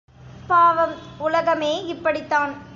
பாவம் உலகமே இப்படித்தான்.